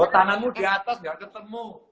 oh tanganmu di atas enggak ketemu